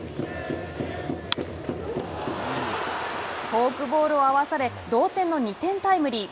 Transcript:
フォークボールを合わされ同点の２点タイムリー。